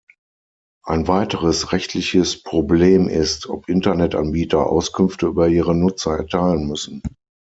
Ein weiteres rechtliches Problem ist, ob Internetanbieter Auskünfte über ihre Nutzer erteilen müssen.